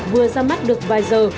vừa ra mắt được vài giờ